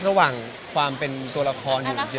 ระหว่างความเป็นตัวละครอยู่จริง